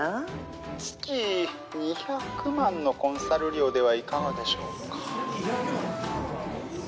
月２００万のコンサル料ではいかがでしょうか？